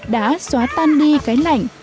đã xóa tan đi cái lạnh